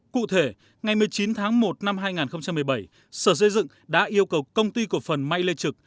cụ thể ngày một mươi chín tháng một năm hai nghìn một mươi bảy sở xây dựng đã yêu cầu công ty cổ phần may lê trực